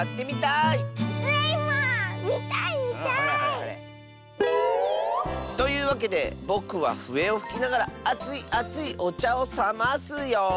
みたいみたい！というわけでぼくはふえをふきながらあついあついおちゃをさますよ。